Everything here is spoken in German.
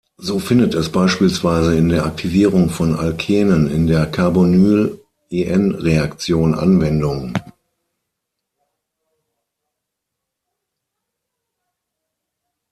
So findet es beispielsweise in der Aktivierung von Alkenen in der Carbonyl-En-Reaktion Anwendung.